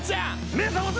目覚ませ！